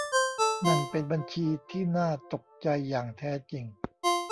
นั่นเป็นบัญชีที่น่าตกใจอย่างแท้จริง